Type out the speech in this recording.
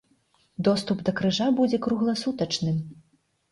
Доступ да крыжа будзе кругласутачным.